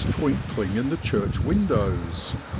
twinkling in the church windows.